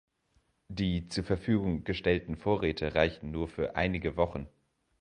Die zur Verfügung gestellten Vorräte reichten nur für einige Wochen.